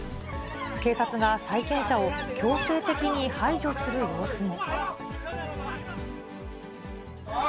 警察が債権者を強制的に排除する様子も。